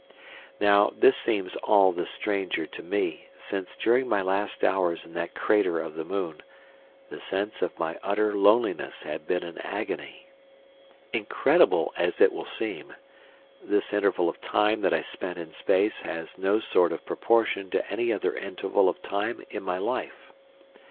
Now, this seems all the stranger to me, since during my last hours in that crater of the moon, the sense of my utter loneliness had been an agony.... Incredible as it will seem, this interval of time that I spent in space has no sort of proportion to any other interval of time in my life.